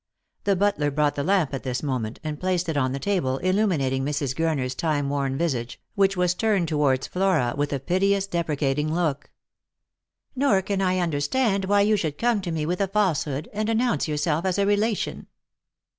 The butler brought the lamp at this moment, and placed it on the table, illuminating Mrs. Gurner's time worn visage, which was turned towards Flora with a piteous depre cating look. " Nor can I understand why you should come to me with a falsehood, and announce yourself as a relation."